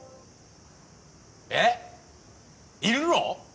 えっいるの！？